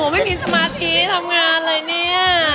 ไม่มีสมาธิทำงานเลยเนี่ย